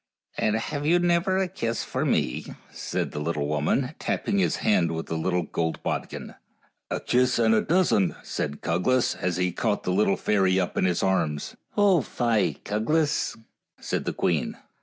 " And have you never a kiss for me? " said the little woman, tapping his hand with the little gold bodkin. " A kiss and a dozen," said Cuglas, as he caught the little fairy up in his arms. " Oh, fie, Cuglas," said the queen.